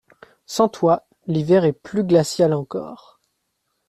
Sans toi, l'hiver est plus glacial encore.